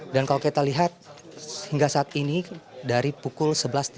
dan kalau kita lihat hingga saat ini dari pukul sebelas tiga puluh